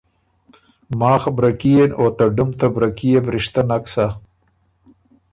ماخ بره کي يېن او ته ډُم ته بره کي يې بو رِشتۀ نک سۀ